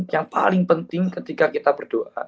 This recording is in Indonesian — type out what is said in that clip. yang paling penting ketika kita berdoa